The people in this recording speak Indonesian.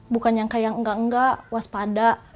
bukan nyangka yang enggak enggak waspada